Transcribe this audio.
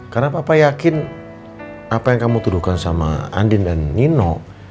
karena papa yakin apa yang kamu tuduhkan sama andin dan nino